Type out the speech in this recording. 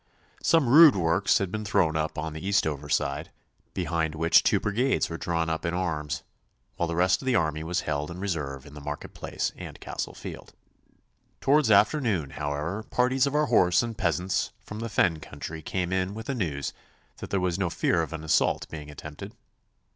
Some rude works had been thrown up on the Eastover side, behind which two brigades were drawn up in arms, while the rest of the army was held in reserve in the market place and Castle Field. Towards afternoon, however, parties of our horse and peasants from the fen country came in with the news that there was no fear of an assault being attempted.